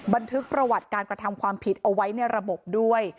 บันทึกประวัติการกระทำความผิดเอาไว้ในระบบด้วย